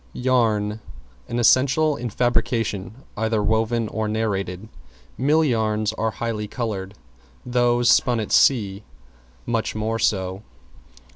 =YARN= An essential in fabrication either woven or narrated. Mill yarns are highly colored; those spun at sea much more so.